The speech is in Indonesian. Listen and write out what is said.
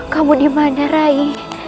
kamu di mana rai